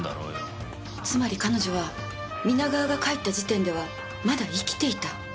つまり彼女は皆川が帰った時点ではまだ生きていた？